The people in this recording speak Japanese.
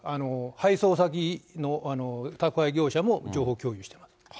配送先の宅配業者も情報共有してた。